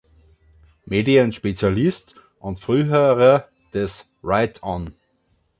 Medien-Spezialist und früherer [...] des „Right On!“